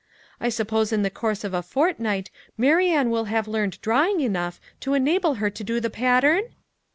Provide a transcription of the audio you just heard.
I suppose in the course of a fortnight Marianne will have learned drawing enough to enable her to do the pattern?"